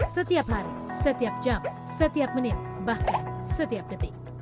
setiap hari setiap jam setiap menit bahkan setiap detik